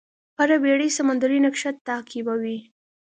هره بېړۍ سمندري نقشه تعقیبوي.